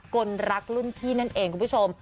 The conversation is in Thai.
คนรักรุ่นพี่นั่นเองคุณผู้ชม